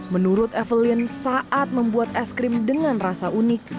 menurut evelyn saat membuat es krim dengan rasa unik